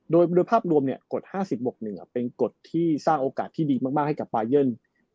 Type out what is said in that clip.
โดยภาพรวมกฎ๕๐บก๑เป็นกฎที่สร้างโอกาสที่ดีมากให้กับปาเยิน